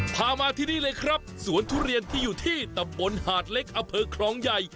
พามาที่นี่เลยครับสวนทุเรียนที่อยู่ที่ตำบลหาดเล็กอำเภอคลองใหญ่